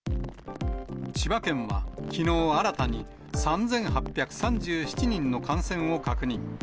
千葉県は、きのう新たに３８３７人の感染を確認。